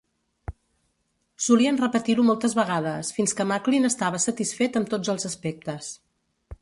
Solien repetir-ho moltes vegades fins que Macklin estava satisfet amb tots els aspectes.